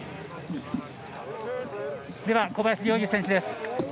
では、小林陵侑選手です。